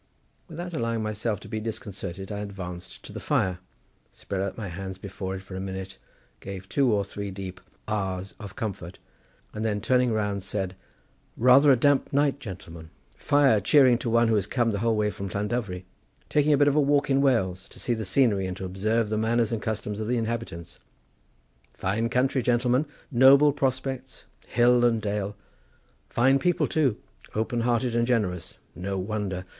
Without allowing myself to be disconcerted I advanced to the fire, spread out my hands before it for a minute, gave two or three deep ahs of comfort, and then turning round said: "Rather a damp night, gentlemen—fire cheering to one who has come the whole way from Llandovery—Taking a bit of a walk in Wales, to see the scenery and to observe the manners and customs of the inhabitants—Fine country, gentlemen, noble prospects, hill and dale—Fine people too—open hearted and generous; no wonder!